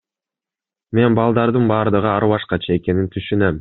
Мен балдардын бардыгы ар башкача экенин түшүнөм.